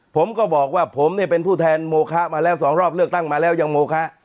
ผมก็บอกว่าผมเนี่ยเป็นผู้แทนโมคะมาแล้ว๒รอบเลือกตั้งมาแล้วยังโมคะ